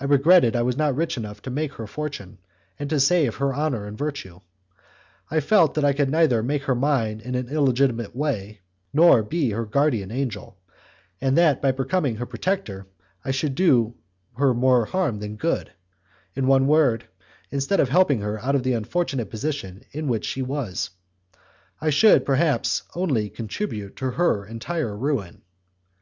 I regretted I was not rich enough to make her fortune, and to save her honour and her virtue. I felt that I could neither make her mine in an illegitimate way nor be her guardian angel, and that by becoming her protector I should do her more harm than good; in one word, instead of helping her out of the unfortunate position in which she was, I should, perhaps, only contribute to her entire ruin.